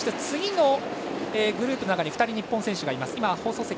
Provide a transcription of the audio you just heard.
次のグループの中に２人、日本選手がいます。